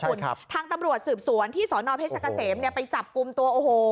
คุณครับทางตำรวจสืบสวนที่สอนอเพชรเกษมเนี่ยไปจับกลุ่มตัวโอ้โห